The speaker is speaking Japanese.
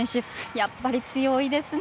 やっぱり強いですね。